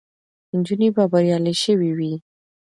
نجونې به بریالۍ سوې وي.